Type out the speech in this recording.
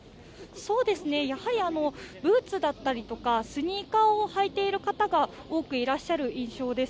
ブーツだったりスニーカーを履いている方が多くいらっしゃる印象です。